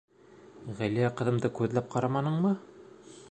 -Ғәлиә ҡыҙымды күҙләп ҡараманыңмы?